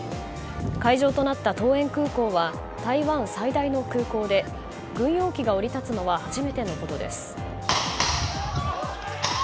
会場となった桃園空港は台湾最大の空港で軍用機が降り立つのは初めてのことです。